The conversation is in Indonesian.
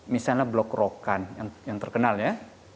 misalnya blok rokan yang terkenal ya